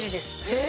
え！